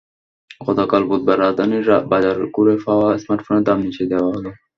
গতকাল বুধবার রাজধানীর বাজার ঘুরে পাওয়া স্মার্টফোনের দাম নিচে দেওয়া হলো।